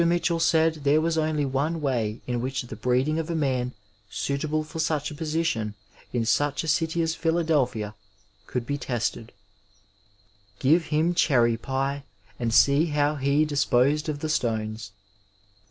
Mitchell said there was only one waj in which the breeding of a man suitable for such a position, in sudi a city as Philadelphia, could be tested :— give him cheny pie and see how he disposed of the stones.